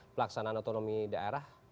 pelaksanaan otonomi daerah